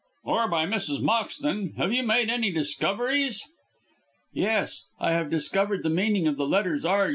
"Or by Mrs. Moxton have you made any discoveries?" "Yes. I have discovered the meaning of the letters R.